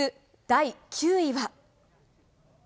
第９位は。